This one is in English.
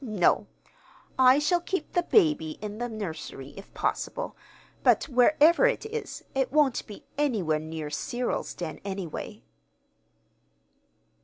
No! I shall keep the baby in the nursery, if possible; but wherever it is, it won't be anywhere near Cyril's den, anyway."